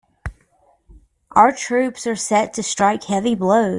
Our troops are set to strike heavy blows.